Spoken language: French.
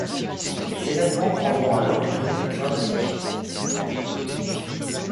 Les événements prendront alors une tournure dramatique.